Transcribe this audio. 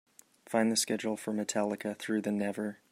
Find the schedule for Metallica Through the Never.